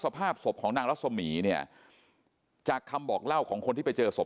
สภาพศพของนางรัศมีเนี่ยจากคำบอกเล่าของคนที่ไปเจอศพ